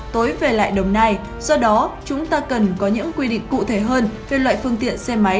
tối về lại đồng nai do đó chúng ta cần có những quy định cụ thể hơn về loại phương tiện xe máy